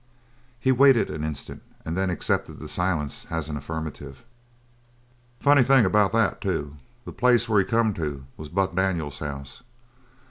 He waited an instant and then accepted the silence as an affirmative. "Funny thing about that, too. The place where he come to was Buck Daniels' house.